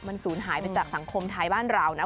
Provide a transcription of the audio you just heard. มันสูญหายไปจากสังคมไทยบ้านเรานะ